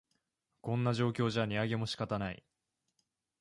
こんな状況じゃ値上げも仕方ない